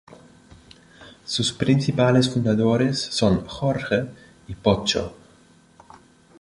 Sus principales fundadores son "jorge" y "pocho".